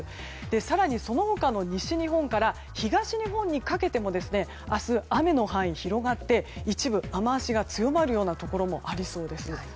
更にその他の西日本から東日本にかけても明日、雨の範囲が広がって一部、雨脚が強まるところもありそうです。